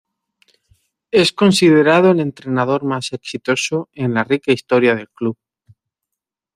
Es considerado el entrenador más exitoso en la rica historia del club.